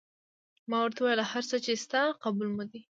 ما ورته وویل: هر څه چې شته قبول مو دي.